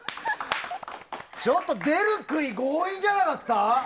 ちょっと出る杭強引じゃなかった？